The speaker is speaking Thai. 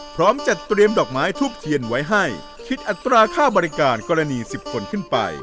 พร้อมจัดเตรียมดอกไม้ทูบเทียนไว้ให้คิดอัตราค่าบริการกรณี๑๐คนขึ้นไป